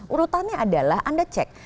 urutannya adalah anda cek